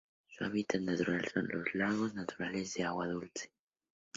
Su hábitat natural son: lagos naturales de agua dulce.